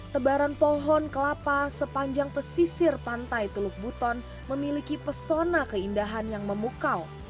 tebaran pohon kelapa sepanjang pesisir pantai teluk buton memiliki pesona keindahan yang memukau